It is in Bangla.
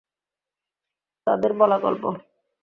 তাদের বলা গল্প!